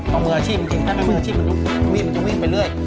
เอามือชิบถ้ามือชิบมันจะวิ่งไปเรื่อย